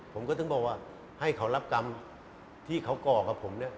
ผมก็ถึงบอกว่าให้เขารับกรรมที่เขาก่อกับผมเนี่ย